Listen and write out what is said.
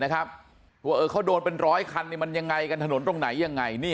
ว่าเขาโดนเป็นร้อยคันมันยังไงกันถนนตรงไหนยังไง